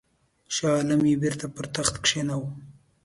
شاه عالم یې بیرته پر تخت کښېناوه.